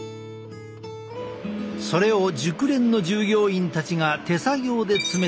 それを熟練の従業員たちが手作業で詰めていく。